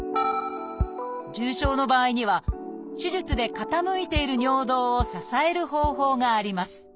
重症の場合には手術で傾いている尿道を支える方法があります